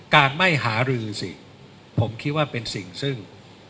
การไม่หารือสิผมคิดว่าเป็นสิ่งซึ่ง